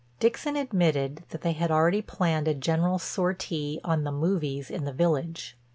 Dixon admitted that they had already planned a general sortie on "the movies" in the village.